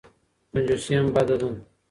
کنجوسي هم بده ده.